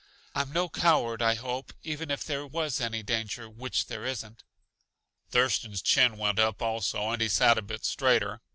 "I'm no coward, I hope, even if there was any danger which there isn't." Thurston's chin went up also, and he sat a bit straighter.